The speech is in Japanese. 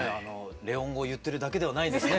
レオン語を言ってるだけではないですね。